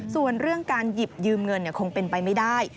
ส่วนเรื่องการหยิบยืมเงินคงเป็นไปไม่ได้